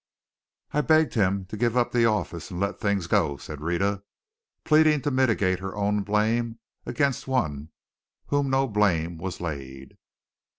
"I begged him to give up the office and let things go," said Rhetta, pleading to mitigate her own blame, against whom no blame was laid.